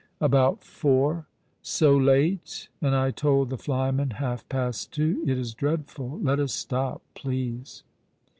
" About four." "So late — and I told the flyman half past two. It is dreadful. Let us stop, please."